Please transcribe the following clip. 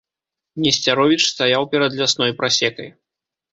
Несцяровіч стаяў перад лясной прасекай.